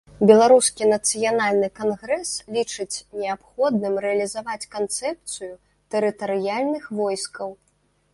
Беларускі нацыянальны кангрэс лічыць неабходным рэалізаваць канцэпцыю тэрытарыяльных войскаў.